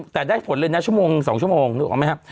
แต่ได้ผลเลยนะชั่วโมง๒ชั่วโมงรู้หรือเปล่าไหมครับ